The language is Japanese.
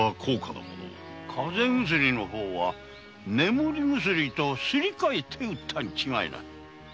風邪薬の方は眠り薬とすり替えて売ったに違いない。